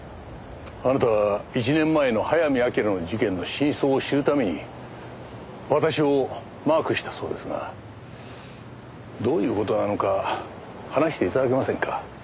あなたは１年前の早見明の事件の真相を知るために私をマークしたそうですがどういう事なのか話して頂けませんか？